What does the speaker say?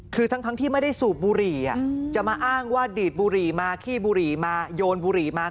คือทั้งที่ไม่ได้สูบบุหรี่จะมาอ้างว่าดีดบุหรี่มาขี้บุหรี่มาโยนบุหรี่มา